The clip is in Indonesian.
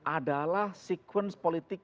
adalah sekuens politik